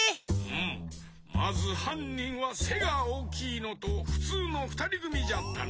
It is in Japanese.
まずはんにんはせがおおきいのとふつうのふたりぐみじゃったな？